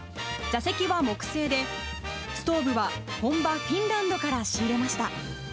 座席は木製で、ストーブは本場、フィンランドから仕入れました。